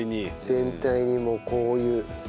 全体にもうこういう。